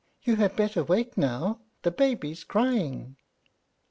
You had better wake now; the baby's crying."